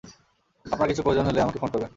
আপনার কিছু প্রয়োজন হলে আমাকে ফোন করবেন।